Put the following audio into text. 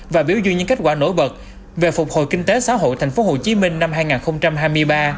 và biểu dư những kết quả nổi bật về phục hồi kinh tế xã hội tp hcm năm hai nghìn hai mươi ba